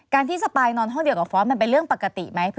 ที่สปายนอนห้องเดียวกับฟอสมันเป็นเรื่องปกติไหม